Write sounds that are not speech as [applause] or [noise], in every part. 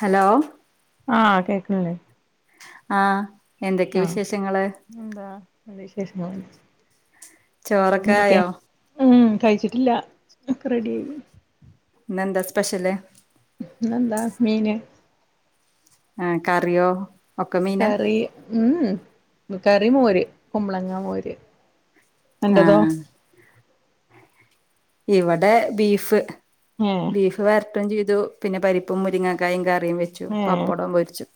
Hello ആഹ കേക്കില്ലേ ആഹ എന്തൊക്കെയ വിശേഷങ്ങള് [unintelligible] ചോറൊക്കെ അതക്കെ ആയോ ആഹ കഴിച്ചിട്ടില്ല ഒക്കെ റെഡി ആയി ഇന്നെന്താ സ്പെഷ്യല് നന്താ മീന് ആ കറിയോ ഒക്കെ മീനാ കറി ഉം കറി മോര് കുമ്പളങ്ങ മോര് അന്റതോ ആഹ ഇവിടെ ബീഫ് ഏഹ് ബീഫ് വരട്ടും ചീ അ പിന്നെ പരിപ്പും മുരിങ്ങ കായും ക [unintelligible] വെച്ചു ഏഹ് പപ്പടം പൊരിച്ചു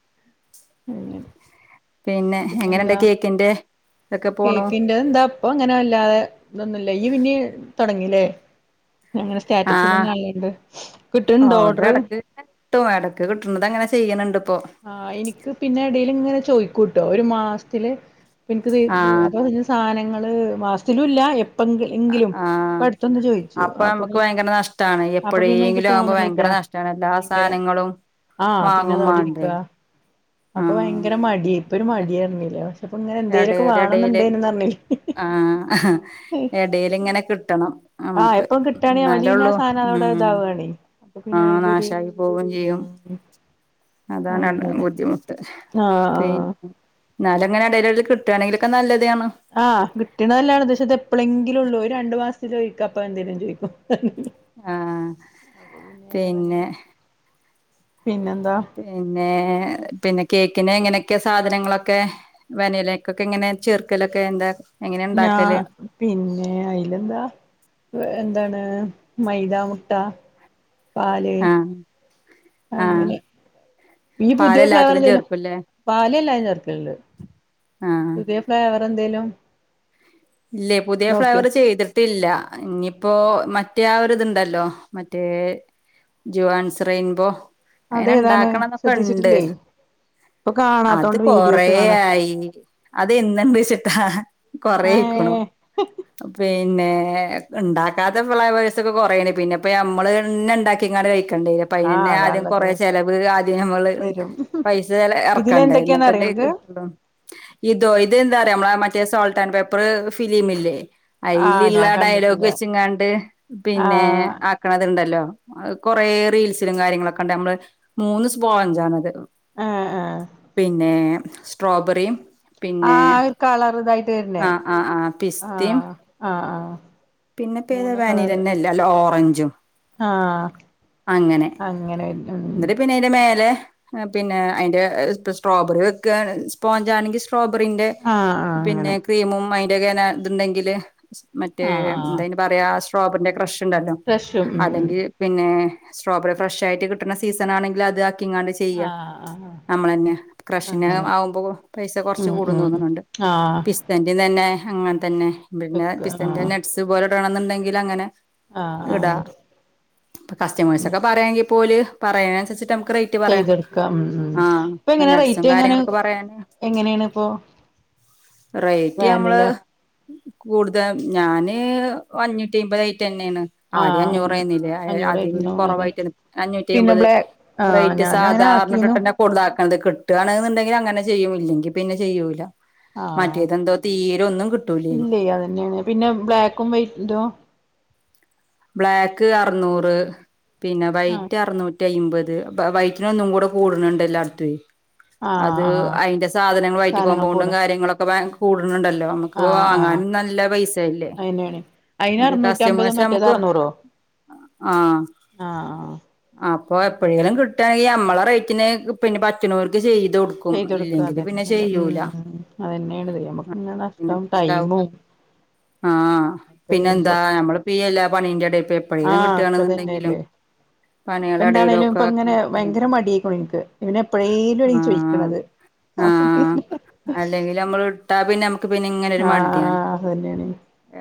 പിന്നെ എങ്ങനെണ്ട് എന്താ കേക്കിന്റെ ഇതൊക്കെ പോണു കേക്കിന്റെ എന്താ അപ്പ അങ്ങനെ അല്ലാതെ ഇതൊന്നുംല്ല ഈ പിന്നെ തുടങ്ങില്ലേ ആഹ കിട്ട്ണ്ടോ ഓഡ്ര ഓർഡർ ഇടക്ക് കിട്ടും ഇടക്ക് കിട്ടുന്നത് അങ്ങനെ ചെയ്യണണ്ട് ഇപ്പോ ആഹ് എനിക്ക് പിന്നെ ഇടൽ ഇങ്ങനെ ചോയ്കും കൂട്ട ഒരു മാസത്തില് ആഹ് എനിക്ക് സാധനങ്ങ മാസത്തിലുല്ല ആഹ അപ്പൊ നമുക്ക് ഭയങ്കര നഷ്ടമാണ് അപ്പൊ പിന്നെ എനിക്ക് എപ്പോഴെങ്കിലും ആകുമ്പോ തോന്ന്ണില്ല ഭയങ്കര നഷ്ടമാണ് എല്ലാ ഭയങ്കര സാധനങ്ങളും ആഹ് പിന്നെ അതവിടെ വാങ്ങുംമ്മാണ്ടെ ഇരിക്കാ അപ്പൊ ഭയങ്കര മടി ഇപ്പൊ ഒരു മടി ഇറന്നലേ ഇടയില് ഇടൽ ആഹ ഇടൽ ഇങ്ങനെ കിട്ടണം ആഹ് നമുക്ക് എപ്പളും കിട്ടാണെ അവല് പിന്നെ നിലള്ളൂ ആ സാധനം അതവിടെ ഉ ഇതാവാണേ അപ്പൊ ആ പിന്നെ അയിലൊരു നാശായി പോവയും ചെയ്യും ഉം അതാണ് അങ്ങനെ ബുദ്ധിമുട്ട് ആഹ് ആഹ് പിന്നെ നിലങ്ങനെടല കിട്ടുകണെങ്കിലക്ക നല്ലത് ആഹ് കിട്ടണതല്ലാദേകദേശ അത് എപ്പോഴെങ്കിലും ഉള്ളൂ രണ്ടു മാസത്തെ ചോദിക്ക അപ്പ എന്തേലും ചോദിക്കോ ആഹ പിന്നെ പിന്നെന്താ പിന്നെ പിന്നെ കേക്കിന് എങ്ങനെയൊക്കെ സാധനങ്ങളൊക്കെ വനിലക്കൊക്കെ ഇങ്ങനെ ചെർക്കലൊക്കെ എന്താ? എങ്ങനെ ഞാ ഉണ്ടാക്കല് പിന്നെ അയിലെന്താ എന്താണ് മൈദാ മുട്ടാ പാൽ ആഹ് ആഹ് അങ്ങനെ ഈ പുതിയ ഫ്ലേവർ പാലെല്ലാത്തിലും എന്തേല്ലോ ചേർക്കുംല്ലേ പാല്ല്ലാം ചേർക്കലണ്ട് ആഹ് പുതിയ ഫ്ലേവർ എന്തേലും ഇല്ലേ പുതിയ നോക്കിയോ ഫ്ലാവർ ചെയ്തിട്ടില്ല ഇനിയിപ്പോ മറ്റേ ഒരി ഇതുണ്ടല്ലോ മറ്റേ ജുവാൻ സ്റയിൻബോ അങ്ങനെ അതേതാണ് ഇണ്ടാക്കണംന്നൊക്കെ ഉണ്ട് ശ്രദ്ധിച്ചിട്ടില്ലേ ഇപ്പൊ അത് കാണാത്തോണ്ട് വീഡിയോസ് കാണാ കൊറയായി അത്എന്നിണ്ട് വെച്ചിട്ടാ കൊറ ഏഹ് [unintelligible] പിന്നെ ഉണ്ടാക്കാത്ത ഫ്ലവേഴ്സ് ഒക്കെ കൊറെണ് പിന്നെ ഇപ്പ നമ്മള് തന്നെ ഉണ്ടാക്കിക്കണ്ട് കഴ ണ്ടായിനി അയ്ൻ ആഹ് തന്നെ ആദ്യം അതാള്ളത് കൊറേ ചെലവ് ആദ്യം നമ്മൾ വരും പൈസ ഇറക്കണ്ടെ ഇതിലെന്തൊക്കെയാന്ന് അറിയോ എന്നിട്ടല്ലേ അനക്ക് ഇദോ ഇത് എന്താറിയോ മറ്റേ സോൾട്ട് ആൻഡ് അപ്പോ ഫിലിമില്ലേ ആഹ് ഞാൻ അയിൽള്ള ഡയലോഗ് കണ്ടിട്ടില്ല വെച്ചങ്ങാ ണ്ട് പിന്നെ ആഹ് ആക്കണത്ണ്ടല്ലോ കൊറേ റീൽസിലും കാര്യങ്ങളൊക്കെ ഉണ്ട് നമ്മള് മൂന്ന് സ്പോഞ്ച് ആണ് അത് ആഹ് ആഹ് പിന്നെ സ്ട്രോബെറിയും പിന്നെ ആഹ കളറുതായിട്ട് ആഹ് ആഹ് ആഹ് പിസ്ത്തിമ് ആഹ് ആഹ് പിന്നെ പേത വാനിലന്നെ അല്ല അല്ല ഓറഞ്ച് ഞ്ചും ആഹ അങ്ങനെ ഉ എന്നിട്ട് പിന്നെ അയിന്റെ മേലെ പിന്നെ അതിന്റെ സ്ട്രോബെറി വെക്ക സ്പോഞ്ചാണെങ്കിൽ സ്ട്രോബെറിന്റെ ആഹ് ആഹ് പിന്നെ അങ്ങനെ ക്രീമും രഖേന ഇതുണ്ടെങ്കില് ആഹ് ആഹ് മറ്റേ ആ സ്റ്റൗബെറിന്റെ കൃഷ് ണ്ടല്ലോ ഫ്രഷും ഉം ഉം അല്ലെങ്കിൽ പിന്നെ സ്ട്രോബറി ഫ്രഷ ആയിട്ട് കിട്ടുന്ന സീസണങ്കിൽ അത് ക്കിങ്ങാണ്ട് ചെയ്യ ആഹ് ആഹ് നമ്മള തന്നെ ക്ഷിന അങ്ങനെ ആവുമ്പോ പൈസ കൊറച്ച ഉം കൂടന്ന് ഉം ഉം തോന്നുന്നുണ്ട് ആഹ് പിസ്തന്റിം തന്നെ അങ്ങനെ തന്നെ പിന്നെ വെക്ക പിസ്തന്റെ ആഹ് നട്സ് [unintelligible] ണ്ടെങ്കിൽ അങ്ങനെ ആഹ് ഇടാ കസ്റ്റമേഴ്സ് ആഹ് ഒക്കെ പറയാങ്കിൽ പോല് പറയുന്നതിനനുസരിച്ച് [unintelligible] ചെയ്തെടുക്കാം ഉം ഉം ഇപ്പൊ ആ എങ്ങനെ നട്സും റേറ്റ് എങ്ങനാ കാര്യങ്ങളൊക്കെ പറയാന് എങ്ങനെയാണ് ഇപ്പൊ വാനില കൂടുതാ ഞാന് ഏം അഞ്ഞൂറ്റി അമ്പതായി റ്റന്നേണ് ആദ്യം ആഹ് അഞ്ഞൂറ്റി അഞ്ഞൂറേനിലെ അതിലും അഞ്ഞൂറായിരുന്നു അയിന് കൊറവായിട്ടാണ് പിന്നെ അഞ്ഞൂറ്റിമ്പത് ബ്ലാ ആഹ് റേറ്റ് ഞാനും അങ്ങനെ സാധാരണ ആക്കീന്നു ട്ട്ട്ടെന്നെ കൊട അത് കിട്ടുവാണെന്നുണ്ടെങ്കിൽ അങ്ങനെ ചെയ്യും ഇല്ലെങ്കിൽ പിന്നെ ചെയ്യൂല്ല ആ കിട്ടൂലേ ഇല്ലേ പിന്നെ ബ്ലാക്ക് [unintelligible] ബ്ലാക്ക് അറുനൂറ് പിന്നെ ആഹ് വൈറ്റ് അറുന്നൂറ്റി അയിമ്പത് വൈറ്റിന് ഒന്നും കൂടെ കൂടണുണ്ടല്ലോ [unintelligible] അത് ആഹ് ആഹ് അതിന്റെ സാധനങ്ങള് വൈറ്റ് സാധനങ്ങൾ കോമ്പൗണ്ടും കൂടും കാര്യങ്ങളൊക്കെ ണ്ടല്ലോ നമ്മക്ക് ആഹ് ആഹ് വാങ്ങാനും നല്ല പൈസല്ലേ അയിനാണ് അയിന് അറുന്നൂറ്റി അമ്പത് മറ്റേത് അറുന്നൂറോ ആ ആ ആ അപ്പൊ എപ്പഴേലും കിട്ടാണെങ്കി നമ്മളെ റേറ്റിന് പിന്നെ പറ്റ്ണോർക്ക് ചെയ് ത് കൊടുക്കും ചെയ്ത് കൊടുക്കുക ഇല്ലെങ്കില് അതന്നെ പിന്നെ നല്ല ചെയ്യൂല ഉം അതന്നെയാണിത് നമുക്ക് ഇങ്ങനെ നഷ്ടം ടൈമും ആ ഒക്കെ വരുമ്പോ പിന്നെന്താ നമ്മള് ഇപ്പ ഈ എല്ലാ പണിറ്റെടെ എപ്പഴേലും ആഹ് ഒക്കെ കിട്ടുവാണെന്നുണ്ടെങ്കിലും തന്നെയല്ലേ ഇപ്പ പണികളടയിലും എന്താണേലും ഒക്കെ ഇപ്പ ഇങ്ങനെ ഭയങ്കര ചെയ്യണ്ടേ മടിയായിക്കണു എനിക്ക് ഇവന് എപ്പഴേലും ആ എനിക്ക് ചോദിക്കണത് ആ അപ്പൊ പിന്നെ അല്ലെങ്കിൽ നമ്മള് ഇട്ടാ പിന്നെ നമ്മുക്ക് പിന്നെ ഇങ്ങനെ ഒരു മടിയാണ് ആഹ് അതന്നെയാണ്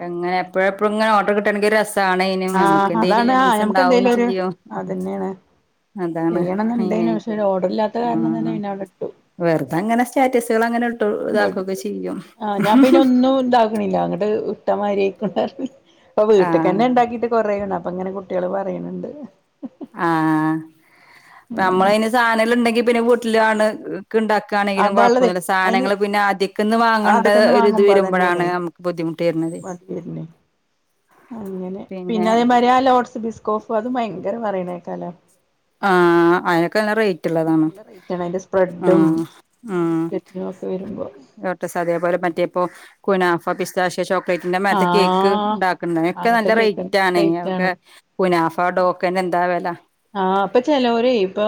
എങ്ങനെ എപ്പഴൊഎപ്പഴും ഇങ്ങനെ ഓർ ട്ടാണെങ്കി രസ കാണേനും ആഹ് നമുക്ക് എന്തേലും അതാണ് ആഹ് എണിങ്സ് നമുക്ക് ഉണ്ടാവും എന്തേലും ഒരു ചെയ്യോ അതന്നെയാണ് അതാണ് ചെയ്യണംന്നുണ്ടേനു പക്ഷെ മെയ്നായിട്ട് ഒരു ഓർഡർ ഇല്ലാത്ത കാരണം തന്നെ ഉം പിന്നെ അവിടെ ഇട്ടു വെറുതെങ്ങനെ സ്റ്റാ [unintelligible] ആ ഞാൻ പിന്നെ ഒന്നും ഇണ്ടാക്കണില്ല അങ്ങോട്ട് ഇട്ടമാരി കൊട്ടാരത്ത് ഇപ്പൊ ആഹ് വീട്ട്ക്കന്നെ ഇണ്ടാക്കിയിട്ട് കൊറേണ്ണം അങ്ങനെ കുട്ടികള് പറയാണുണ്ട് ആഹ് ഉം പിന്ന വീട്ടിലാണ് ഇണ്ടാക്കാണെങ്കിലും അതാള്ളത് കൊഴപ്പൊന്നില്ല അയിന് സാധനങ്ങൾ പിന്നെ ആദ്യക്കന്ന് വാങ്ങേണ്ട ആദ്യക്കൊന്ന് ഒരു ഇത് വാങ്ങുമ്പോ വരുമ്പോഴാണ് അതന്നെയാണേ നമുക്ക് ബുദ്ധിമുട്ട് വരുന്നത് വേണ്ടി വരുന്നേ അങ്ങനെ പിന്നെ അതേമരി ആ ലോട്സ് ബിസ്കോഫ് അതും ഭയങ് ങ്കരം പറയണേക്കാല്ലോ ആ അയുനൊക്കെ നല്ല അയിന് റേറ്റ്ള്ളതാണ് നല്ല റേറ്റാണ് അയിന്റെ ആ സ്പ്രെഡും ആ ഉം ബിസ്ക്കറ്റിനും ഒക്കെ വരുമ്പോ ലോട്ടസ് അതേപോലെ മറ്റേപ്പോ കുനഫാ പിസ്തശ് ചോക്ലേറ്റിന്റെ മേത്തെ കേക്ക് ആഹ് ഉണ്ടാക്കന്നെ ഒക്കെ അങ്ങനത്തെ നല്ല കേക്ക് റേറ്റ് ആണ് ഇനി അതൊക്കെ റേറ്റാണ് കുനാഫ ഡോക്കന്നേ എന്താ വെല ആ അപ്പൊ ചെലോരേ ഇപ്പൊ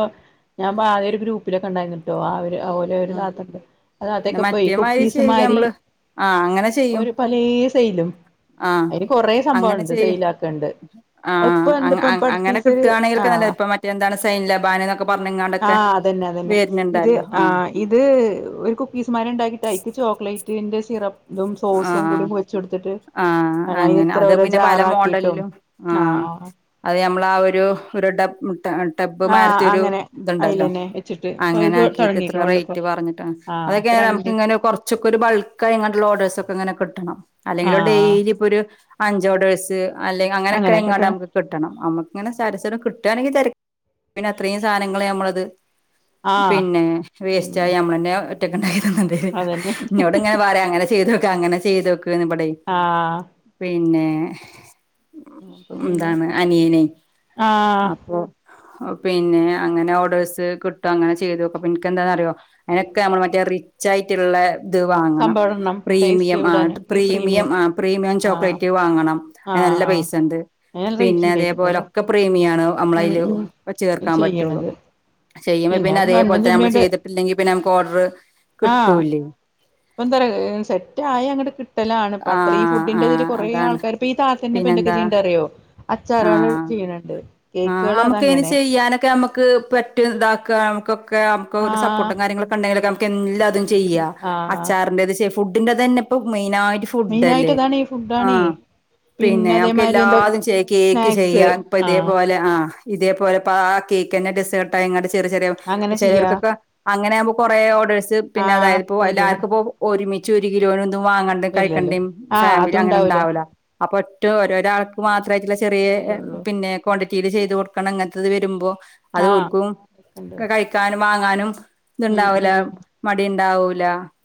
ഞാൻ ആദ്യ ഒരു ഗ്രൂപ്പിലൊക്കെ ഉണ്ടായിരുന്നുട്ടോ ആ അവര് [unintelligible] ഒരു ആ താത്തണ്ട് അത് പിന്നെ അതെക്കെ പോയി മറ്റേമാതിരി കുക്കീസ് ചെയ്യ മാരി നമ്മള് ആ അങ്ങനെ ചെയ്യും ഒരു പല സെയിലും ആ അതിന് കൊറേ സംഭവം അങ്ങനെ ഉണ്ട് ചെയ്യും സെയിൽ ആക്കണ്ട് ആ ഇപ്പ ഇണ്ട് ഇപ്പ അങ്ങനെ അടുത്തിസൊരു [unintelligible] ഇപ്പ മറ്റെന്താണ് സൈൻ ലബാനുനൊക്കെ പറഞ്ഞ്ങ്ങാണ്ടൊക്കെ ആഹ് അതന്നെ അതന്നെ ഇത് വരുന്നുണ്ടല്ലോ ആ ആഹ് ഇത് ഒരു കുക്കിസ്മരി ഉണ്ടാക്കിട്ട് ഐക്ക് ചോക്ലേ റ്റിന്റെ സിറ ഇതും സോസും കൂടി ആഹ് കൊയച്ചെടുത്തിട്ട് ആഹ് [unintelligible] അങ്ങനെ എത്ര അത് ഒരു പിന്നെ പല ജാറാക്കിട്ടും ആഹ് ആഹ് ള ഒരു ഡബ ആഹ് ടെബ്മാരത്തി ഒരു അങ്ങനെ ഇത്ണ്ടല്ലോ അയിലന്നെ വെച്ചിട്ട് ഇപ്പൊ അങ്ങനെ അത് ആക്കിയിട്ട് ഇത്ര തുടങ്ങിക്കണോണ്ട് ഇപ്പൊ റേറ്റ് പറഞ്ഞിട്ടണ് ആഹ് ഇപ്പൊ അതൊക്കെയാലും നമക്ക് രണ്ട് ഇങ്ങനെ കുറച്ചൊക്കൊരു ബൾക്കായുള്ള ഒഡേഴ്സ് തൊക്കെങ്ങനെ കിട്ടണം അല്ലെങ്കിലു ആഹ് ഡെയിലി ഇപ്പൊരു അഞ്ച് ഓർഡഴ്സ് അല്ലെങ്കി അങ്ങനെക്കെ ഇങ്ങണ്ട് അങ്ങനെക്കെട്ടെ നമ്മക്ക് കിട്ടണം നമുക്കിങ്ങനെ [unintelligible] കിട്ടുവാണെങ്കിൽ തരകെ പിന്നെ അത്രയും സാധനങ്ങള് ഞമ്മളത് ആഹ് പിന്നെ വേസ്റ്റായ പിന്നെ ഞമ്മളന്നെ ടകാനായി അതന്നെ ന്നോടിങ്ങനെ പറയാ അങ്ങനെ ചെയ്തോ അങ്ങനേ ചെയ്തോക്ക് [unintelligible] ആഹ് പിന്നെ ഏഹ് അപ്പൊ പിന്നെ ന്താണ് അനിയനെ ആഹ് അപ്പൊ പിന്നെ അങ്ങനെ ഓർഡേഴ്സ് കിട്ടു അങ്ങനെ ചെയ്തോക്ക് പിന്നാ ന്ക്ക് എന്താന്ന് അറിയോ എനക്ക് നമ്മൾ മറ്റേ റിച്ചയിട്ടുള്ള ഇത് വാങ്ങണം സംഭവം ഇടണം പ്രീമിയം ടേസ്റ്റ് ആഹ് കൂടാന് പ്രീമിയം ആഹ് പ്രീമിയം ആഹ് ചോക്ലേറ്റ് വാങ്ങണം ആഹ് നല്ല ആഹ് പൈസണ്ട് അയിന് നല്ല റേറ്റ് പിന്നെ ഇണ്ടായിനി അപ്പൊ അതേപോലൊക്കെ പ്രീമിയാണ്. ഉം നമ്മളയില് വച്ചു ഉം ചേർക്കാൻ പറ്റുള്ളൂ. ചെയ്യണത് ചെയ്യുമ്പ പിന്നെ അത് അതേ പോലെ കണ്ണും തന്നെ നമ്മള് ചിമ്മിയാണ്ട് ചെയ്തിട്ടില്ലെങ്കിൽ പിന്നെ നമുക്ക് ഓർഡർ ആഹ് കിട്ടൂല്ലേ [unintelligible] മറ്റ ആയ അങ്ങട്ട് കിട്ടലാണ്പ്പ ആ അത്ര ഈ ആ ഫുഡിൻ്റെ ഇതിൽ കുറേ അതാണ് ആൾക്കാർപ്പോ ഈ താഴത്തന്നെ ഇപ്പോ എന്തൊക്കെ പിന്നെന്താ ചെയ്യണ്ടറിയോ അച്ചാർ ൾ ആ ചെയ്യണണ്ട് ആഹ് കേക്കുകള് നമുക്കന് അതങ്ങനെ ചെയ്യാനൊക്കെ നമുക്ക് പറ്റും ഇതാക്ക ആഹ് മക്ക്. ഒക്ക നമുക്ക് ഒരു ആഹ് സപ്പോട്ടും കാര്യങ്ങളൊക്കെണ്ടെങ്കില് ഒക്കെ. [unintelligible] അതും ചെയ്യ ആഹ് അച്ചാറിൻ്റെ ത് ഷെഫ് ഫുഡിന്റെ തന്ന ഇപ്പോ മെയിനായി മെയിനായിട്ട് ഫുഡല്ലേ ഇതാണ് ഈ ആ ഫുഡാണേ പിന്നെ നമുക്ക് അതേമാതിരി എന്താ എല്ലാതും ചെയ് കേക്ക് സ്നാക്സ് ചെയ്യാം പദേ ആഹ് ആഹ് ഇതേ പോലെ പ്പ ആ കേക്ക് തന്നെ ഡെസേർട് ആയികാണ്ട് ചെറിയ ചെറിയ അങ്ങനെ ചെയ്യാ ചിലവർക്കൊക്കെ അങ്ങനെ ആകുമ്പോ കൊറേ ഓർഡേഴ്സ് പിന്നെ ആഹ് അതായത്പ്പോ വരും എല്ലാവർക്കുംപ്പോ ഒരുമി ച്ച് ഒരു കിലോ വാങ്ങണ്ട വരില്ലല്ലോ കഴിക്കണ്ടേ ആഹ് ഫാമിലി അങ്ങനെ അതുണ്ടാവൂല ഉണ്ടാവില്ല അപ്പൊ ഒറ്റ ഓരോരാൾ വാ വയറ്റിലെ ചെറിയേ വരുള്ളൂ പിന്നെ പിൽ ചെയ്ത് കൊടുക്കണം അങ്ങനത്തത് വരുമ്പോ അത് ആഹ് ഓര്ക്കും ഒക്കെണ്ട് ക്കെ കഴിക്കാനും മാങ്ങാനും ഇത്ണ്ടാവൂല മടി ഉണ്ടാവൂല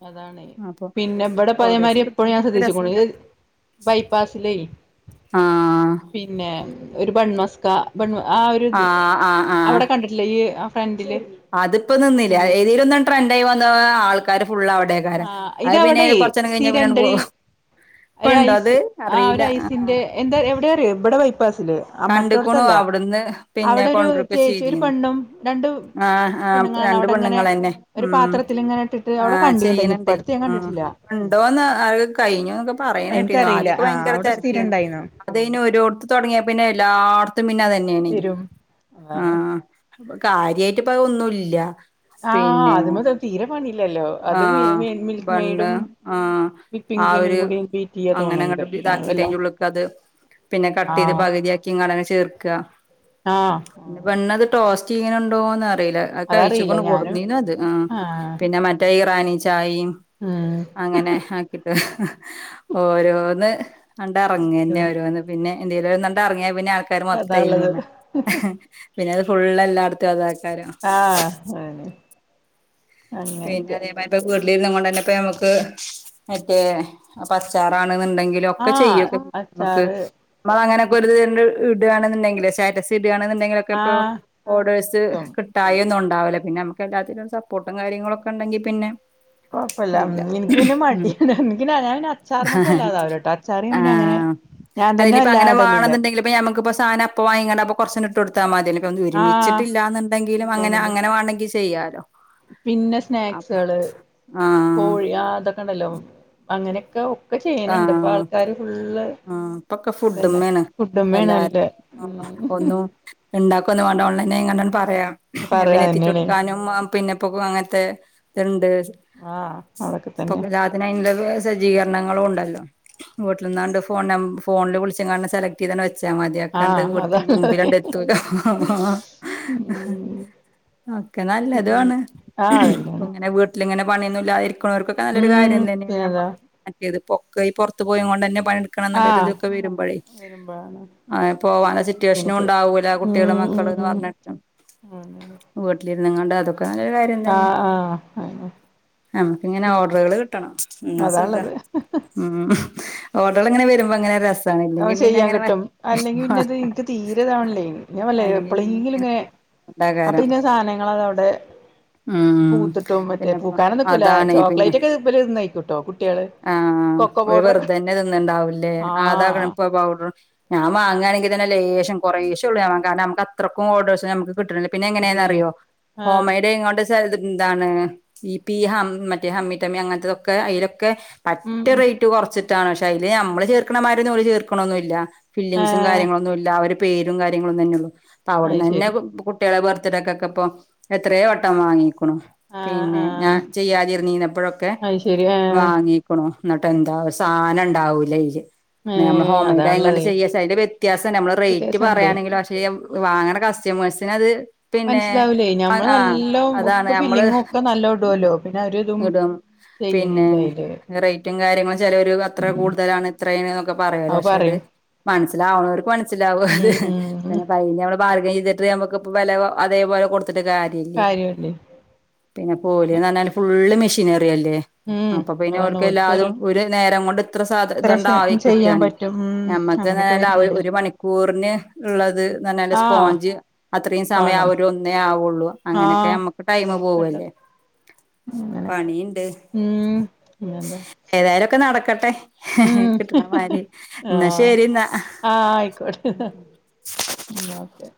അതാണെ. അപ്പൊ പിന്നെ ഇവിടെ ഓർഡേഴ്സ് പഴേമാതിരി എപ്പഴും ഞാൻ കിട്ടാണെങ്കിൽക്കെ രസാ ശ്രദ്ധിച്ക്ക്ണു ഈ ബൈപ്പാസിലേ ആഹ് പിന്നെ ഒരു ബൺമസ് കാ ബൺ ആ ഒരു ഇത് ആഹ് ആഹ് ആഹ് അവിടെ കണ്ടിട്ടില്ലേ ഇയ് അതിപ്പോ നിന്നിലെ ഏതേലും ഒന്നും ട്രെൻഡായി വന്നാ ആൾക്കാർ ആഹ് ഇതവിടെ കഴിഞ്ഞാ പിന്നണ്ട് സ്ഥിരണ്ട് പോകും ഇപ്പ ഇണ്ടോ അത് ഒരൈസ് ആ അറിയില്ല ഒരൈസിന്റെ എന്താ എവിടെ അറിയോ ഇബടെ ബൈ പാസ് ല് ആ കണ്ട്ക്ക്ണു മറ്റോട്ത്തല്ല. അവിടുന്ന് പിന്നെ അവിടൊരു കൊണ്ടരൊക്കെ ചേച്ചി ഒരു ചെയ്തീനു പെണ്ണും രണ്ട് ആഹ് ആഹ് പെണ്ണുങ്ങളാണ് രണ്ട് അവിടെ ഇങ്ങനെ പെണ്ണുങ്ങളെന്നെ ഒരു പാത്രത്തിൽ ഇങ്ങനെ ഇട്ടിട്ട് അവിടെ കണ്ടി യ്ണ് ണ്ട്. ആഹ് ഉണ്ടോന്ന് അത് കഴിഞ്ഞുന്നൊക്കെ പറയ്ണ കേട്ടിന്നു. എനിക്കറിയില്ല ആദ്യക്കെ ആ ഭയങ്കര അവിടെ സ്ഥിരം തെരെക്കേന്നു. ഇണ്ടായിന്നോ അതയ്ന് ഒരോട്ത്ത് തൊട്ങ്ങിയ എല്ലാട് ത്തും മിന്നതന്നേണേ വരും അതാണ് ആഹ് കാര്യായിട്ട്പ്പ അ ഒന്നുല്ല ആഹ് പിന്നെ അത് മത് തീരെ പണിയില്ലല്ലോ അത് ആഹ് മിൽക്ക് ബണ്ണ് മെയ്ഡും ആഹ് വിപ്പിംഗ് ആ ക്രീമും ഒരു കൂടി ബീറ്റ് ചെയ്യാ അങ്ങനെ തോന്നുന്നുണ്ട് അങ്ങട്ട് ഞാൻ ഇതാക്കിട്ട് വല്ല അയിന്റെ ഉള്ള്ക്ക് അത് പിന്നെ ആ കട്ടീത് പകുതിയാക്കി ഇങ്ങാടെന്നെ ചേർക്ക ആ പിന്നെ ബണ്ണത് ടോസ് റ്റിയ്യ് ണ്‌ണ്ടോന്നർ ടെയ്ല അത് അതറിയില്ല കഴിച്ചുക്ക്ണു ഞാനും കൊടുന്നീന്നു അത് ആഹ് ആ പിന്നെ മറ്റ ഇറാനി ചായിം ഉം അങ്ങനെ ആക്കിട്ട് ഓരോന്ന് ആണ്ട് ഇറങ്ങന്നെ ഓരോന്ന് പിന്നെ എന്തെലോന്നണ്ട് അറങ്ങിയ പിന്നെ ആൾക്കാര് മൊത്തം അതാള്ളത് അയിമ്മേണ് പിന്നത് ഫുൾ എല്ലാടത്തും അതാ ആഹ് ആഹ് പിന്നെ അതേമാരി ഇപ്പൊ വീട്ടിലിരുന്നും കൊണ്ടന്നെപ്പ ഞമ്മക്ക് ക്ക് മറ്റേ അപ്പച്ചാറാൺ ണ്ന്ന് ണ്ടെണ്ടെങ്കിലൊക്കെ ചെയ്യ ആഹ് പ്പ [unintelligible] മ്മക്ക് അച്ചാറ് നമ്മളങ്ങനൊക്കെ ഒരിത്ണ്ട് ഇടാണെന്ന്ണ്ടെങ്കിലെ സ്റ്റാറ്റസി ഇടാ ണെന്ന്ണ്ടെങ്കിലൊക്കെ ഇപ്പോ ആഹ് ഓർഡേഴ്സ് ട്ടും കിട്ടായി ഒന്നുൺ ണ്ടാവൂല പിന്നെ അമ്മക്ക് എല്ലാത്തിനും ഒരു സപോർട്ട് കാര്യങ്ങളൊക്കെ ഇണ്ടെങ്കി പിന്നെ കൊഴപ്പല്ല എനിക്ക് പിന്നെ മടിയാണ് എനിക്ക് ഞാൻ പിന്നെ അച്ചാർമ്മക്ക് വല്ലാതാവൂലട്ടോ അച്ചാറ് ആ പിന്നെ അങ്ങനെ ഞാൻ തന്നെ അല്ലഞ്ഞിപ്പ വല്ലാ അങ്ങനെ ഇടലില്ല വാണെന്ന് ണ്ടെങ്കില് ഇപ്പൊ നമുക്ക്പ്പോ സാനം അപ്പ വാങ്ങിങ്ങാണ്ടപ്പൊ കൊറച്ചണ്ട് ഇട്ട് കൊടുത്താ മത്യല്ലോ [unintelligible] ആഹ് ഒരുമിച്ചിട്ടില്ലാന്ന്ണ്ടെങ്കിലും അങ്ങനെ ഇല്ലന്നന്നെ അങ്ങനെ വാണ്ടെങ്കി ചെയ്യാലോ പിന്നെ സ്നാക്സേള് ആഹ് കോഴി ആ അതൊ കണ്ടലോ അങ്ങനെക്കാവും ഇപ്പൊ ചെയ്യനുണ്ട് ഇപ്പൊ ആൾക്കാര് ഫുള്ള് ആ ഇപ്പൊക്കെ ഇതന്നെ ഫുഡ്മ്മേണ് എല്ലാരും ഫുഡ്മ്മേണല്ലേ ഉം ഒന്നും ഇണ്ടാക്ക് ഇപ്പൊന്നും വാണ്ട ഓൺലൈനായി ങ്ങാണ്ടാണ് പറയാം പറയാ പിന്നെ എത്തിച്ചുകൊടു അതന്നെയാണ് ക്കാനും പിന്നെപ്പൊക്കെ അങ്ങനത്തെ ഇത്ണ്ട് ആഹ് അതൊക്കെ തന്നെ ഇപ്പൊക്കെ എല്ലാത്തിനും അയ്‌ന്ള്ള സജ്ജീകരണങ്ങളും ഉണ്ട ല്ലാ വീട്ടില്ന്നാണ്ട് ഫോൺ നം ഫോൺല് വിളിച്ച്ങ്ങാണ്ട് സെലക്ടെയ്താണ്ട് വ വച്ചാ മതിയാക്ക ആഹ് വീട്ടിൽ അതാള്ളത് മുൻപിലണ്ട എത്തൂല ഉം അതൊക്കെ നല്ലതും പിന്നെ ആണ് ആഹ് അതന്നെയാണ് വട്ടിലിങ്ങനെ പണിയൊന്നുമില്ലരി അവിടെ ഉള്ളോർക്കൊക്കെ നല്ലൊരു ഉം കാര്യം തന്നെയാണ് പിന്നെന്താ ഇത് പൊക്ക പുറത്ത പോയത കൊണ്ട് തന്നെ ആഹ് ഇതൊക്കെ വരുമ്പോഴേ വരുമ്പോഴാണ് പോവാന സിറ്റുവേഷനും നിനക്ക് ഉണ്ടാവൂല്ല കുട്ടികളും ഉം മക്കൾ എന്ന് ഉം പറഞ്ഞിട്ടും അങ്ങനെ വീട്ടില നിങ്ങളുടെ അത ആഹ് ആഹ് അങ്ങനെ നനമ്മുക്ക് ഇങ്ങനെ പിന്നെ ഓഡറുകൾ കിട്ടണം എന്നാ സുഖമാ അതാള്ളത് നിങ്ങൾ ഇങ്ങനെ വരുമ്പോ അങ്ങനെ രസ ചെയ്യാൻ കിട്ടും അല്ലെങ്കിൽ പിന്നാത് എനിക്ക് തീരെതാണല്ലേ ഞാൻ വല്ല അല്ലെങ്കി പിന്നെ എപ്പഴെങ്കിലും ഇങ്ങനെ അപ്പൊ ഉണ്ടാകാരം പിന്നെ സാധനങ്ങൾ അവിടെ ഉം പൂത്തിട്ടും മറ്റേ പിന്നെപ്പോ പൂക്കാനോന്നും നിക്കൂല അതാണ് പിന്നെ ചോക്ലേറ്റ് ഒക്കെ ഇവർ ഇരുന്ന് കഴിക്കുട്ടോ കുട്ടികൾ കൊക്കോ പൗഡർൊക്കെ ന്നുണ്ടാവുലെ കൊക്കോ പൗഡർ ഞാൻ വാങ്ങുവാനെങ്കിൽ തന്നെ ലേശം കുറോശം ഉള്ള കാരണം നമുക്ക് അത്രക്ക് ഓടേയ്സ് നമുക്ക് പിന്നെ എങ്ങനെന്ന് കിട്ടണില്ലേ അറിയോ ആഹ് ഹോമയുടെ ഇങ്ങോട്ട് എന്താണ് ഈ പി മറ്റേ ഹമ്മിട്ടമ്മി അങ്ങനത്തതൊക്കെ അല ഉം പറ്റ ഉം റേറ്റ് കുറച്ച് [unintelligible] അതിൽ നമ്മൾ ചേർക്കണമാതിരി യൊന്നും അവർ ചേർക്കണന്നുമില്ല ഫില്ലിങ്സും ആഹ് കാര്യങ്ങളൊന്നും ഇല്ല അവര് പേരും കാര്യങ്ങളും ഒന്നുംതാന്നെ ഉള്ളൂ അപ്പ അത് അവിടന്ന് തന്നെ ശരി കുട്ടികളെ ബര്ത്ഡേയ്ക്കൊക്കെ ഇപ്പൊ എത്രയൊ വെട്ടം വാങ്ങി ആഹ് പിന്നെ ഞാൻ ആഹ് ചെയ്യാതിരുന്നിന്നപ്പോഴൊക്കെ അത് ശരി ആഹ് വാങ്ങിക്കണോ എന്നിട്ട് എന്താ സാധ ണ്ടാവൂലയിൽ നമ്മള് ഏഹ് ഹോംമെയ്‌ഡേ അതാണുള്ളത് ചെയ്യ അതിന്റെ വ്യത്യാസം നമ്മള് റേറ്റ് വ്യത്യാസണ്ട് പറയാണെങ്കിൽ പക്ഷെ വാങ്ങണ കസ്‌ [inaudible] അത് പിന്നെ മനസ്സിലാവൂലേ ഞമ്മള് ആ നല്ലോ അതാണ് ഒക്കെ മ്മള് ഫില്ലിങ്ങും ഒക്കെ നല്ലോ ഉ ഇടുവല്ലോ പിന്നെ അവരിതും ഇടും പിന്നെ ചെയ്യണില്ല അയില് റേറ്റും കാര്യങ്ങളും ചെലൊരു ഉം കൂടുതലാണ് ഇത്രേൊക്കെ പറയല്ലോ പക്ഷെ അത് മനസ്സിലാവണവർക്ക് മനസ്സിലാവും അത് ഉം ഉം പിന്നെ കഴി ആം ചെയ്തിട്ട് നമ്മ വെല അതേപലെ കൊടു [unintelligible] ട്ട് കാര്യല്ലേ പിന്നെ പോലന്ന് പറഞ്ഞാല് ഫുള് മെഷീന് ല്ലേ ഉം അതാണ് അപ്പന്നെക്ക് ഓൽക്ക് എല്ലാതും ഒരു നേരം കൊണ്ട് ഇത്ര ഇതൊണ്ട ആ ചെയ്യാൻ കിട്ടാണ് പറ്റും ഉം നമ്മക്ക്ന്ന് അങ്ങനെയൊക്കെ പറഞ്ഞാൽ വരുന്നുണ്ട് ഒരു മണിക്കൂറിന് ഉള്ളത് ആഹ് സ്പോഞ്ച് അത്രയും സമയം ആ വേണം ഒരു ഒന്നേ ആവുള്ളൂ അങ്ങനൊക്കെ ആഹ് നമ്മക്ക് ടൈമ അങ്ങനെയൊക്കെ ഉണ്ട് പോവല്ലേ അങ്ങനൊക്കെ പണിയുണ്ട് ഉം ഏതായാലുക്കെ നടക്ക ക്കട്ടെ ഉ ആഹ ശരി എന്നാ ആഹ ആയിക്കോട്ടെ ഉ ഓക്കെ